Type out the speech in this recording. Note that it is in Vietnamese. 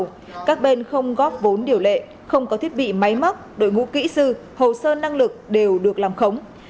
tuy nhiên các bên không góp vốn điều lệ không có thiết bị máy móc đội ngũ kỹ sư hồ sơ năng lực đều được làm khống